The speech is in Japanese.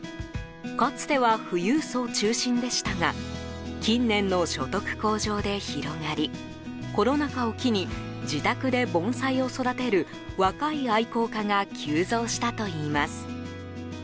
かつては富裕層中心でしたが近年の所得向上で広がりコロナ禍を機に自宅で盆栽を育てる若い愛好家が急増したといいます。